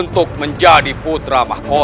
untuk menjadi putra mahkota